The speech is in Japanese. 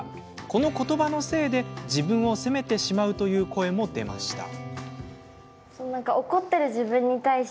このことばのせいで自分を責めてしまうという声も出ました。